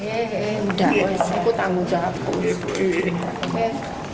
eh eh udah aku tanggung jawab